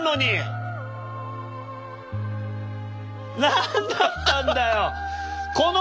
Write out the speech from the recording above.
何だったんだよ。